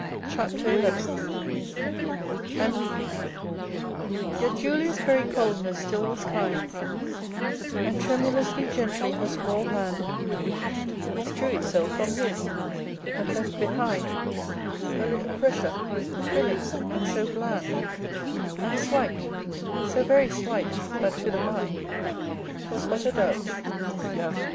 " CHAPTER XI AN EVENING Yet Julia's very coldness still was kind, And tremulously gently her small hand Withdrew itself from his, but left behind A little pressure, thrilling, and so bland, And slight, so very slight that to the mind, 'Twas but a doubt.